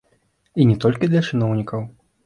І не толькі для чыноўнікаў.